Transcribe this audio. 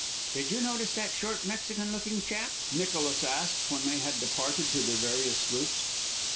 "Did you notice that short, Mexican looking chap?" Nicholas asked, when they had departed to their various sloops.